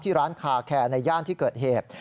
ร้านคาแคร์ในย่านที่เกิดเหตุ